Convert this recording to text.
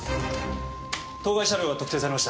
当該車両が特定されました。